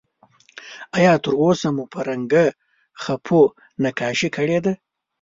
آیا تر اوسه مو په رنګه خپو نقاشي کړې ده؟